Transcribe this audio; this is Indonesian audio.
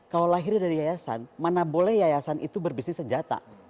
kalau lahirnya dari yayasan mana boleh yayasan itu berbisnis senjata